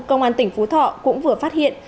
công an tỉnh phú thọ cũng vừa phát hiện